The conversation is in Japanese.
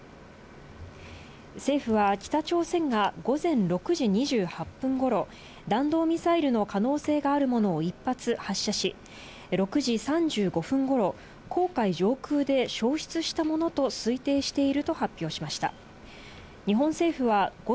政府は北朝鮮が午前６時２８分頃、弾道ミサイルの可能性があるものを１発発射し、６時３５分頃、黄海上空で消失したものと推定していると発表しました。